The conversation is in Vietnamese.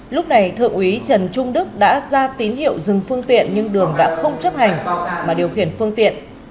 lúc này thượng úy trần trung đức đã ra tín hiệu dừng phương tiện nhưng đường đã không chấp hành mà điều khiển phương tiện